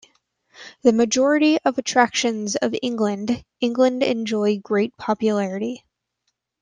The majority of attractions of England, England enjoy great popularity.